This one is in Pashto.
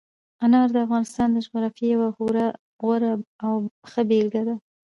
انار د افغانستان د جغرافیې یوه خورا غوره او ښه بېلګه ده.